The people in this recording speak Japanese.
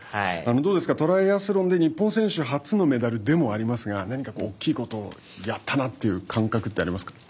どうですかトライアスロンで日本人選手初のメダルでもありますが何か大きいことをやったなという感覚ってありますか。